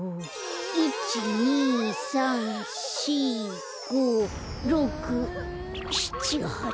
１２３４５６７８。